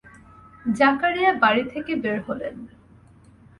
জাকারিয়া বাড়ি থেকে বের হলেন।